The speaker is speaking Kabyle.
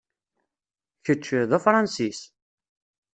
Kečč, d Afransis?